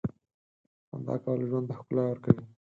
• خندا کول ژوند ته ښکلا ورکوي.